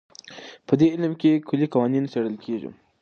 په دې علم کې کلي قوانین څېړل کېږي.